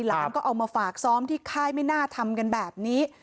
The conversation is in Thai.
หลานก็เอามาฝากซ้อมที่ค่ายไม่น่าทำกันแบบนี้